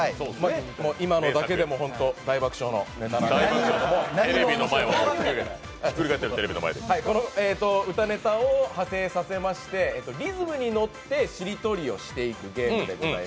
今のだけでもホント大爆笑のネタなんですけどこの歌ネタを派生させまして、リズムに乗ってしりとりをしていくゲームです